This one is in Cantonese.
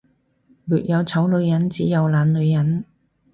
沒有醜女人，只有懶女人